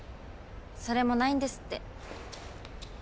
それもないんですって。